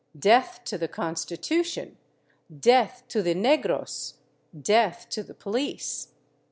Death to the Constitution! Death to tlie negros! Death to the police